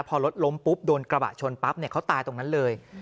พอรถล้มปุ๊บโดนกระบะชนปั๊บเขาตายตรงนั้นเลย